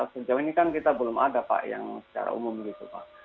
sejauh ini kan kita belum ada pak yang secara umum gitu pak